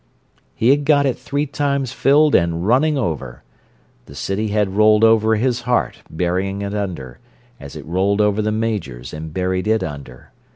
He had got it three times filled and running over. The city had rolled over his heart, burying it under, as it rolled over the Major's and buried it under.